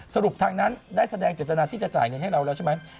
สรุปทางนั้นได้แสดงเจตนาที่จะจ่ายเงินให้เราแล้วใช่ไหม